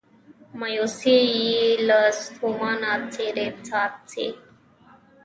مایوسي یې له ستومانه څیرې څاڅي